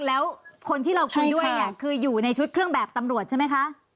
แล้วคนที่เราคุยด้วยเนี่ยคืออยู่ในชุดเครื่องแบบตำรวจใช่ไหมคะ